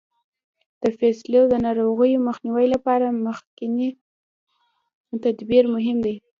د فصلو د ناروغیو مخنیوي لپاره مخکینی تدبیر مهم دی.